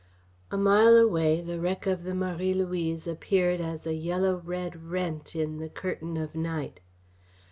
A mile away the wreck of the Marie Louise appeared as a yellow red rent in the curtain of night.